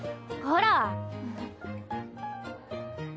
ほら。